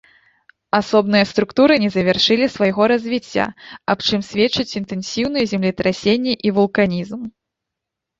Асобныя структуры не завяршылі свайго развіцця, аб чым сведчаць інтэнсіўныя землетрасенні і вулканізм.